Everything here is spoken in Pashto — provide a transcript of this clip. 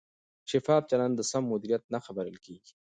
شفاف چلند د سم مدیریت نښه بلل کېږي.